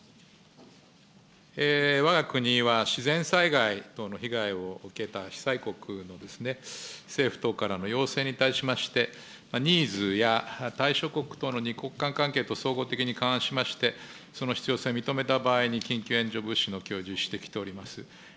わが国は自然災害等の被害を受けた被災国の政府等からの要請に対しまして、ニーズや対処国との２国間関係と総合的に勘案しまして、その必要性を認めた場合に緊急援助物資のきょうじゅをしてきております。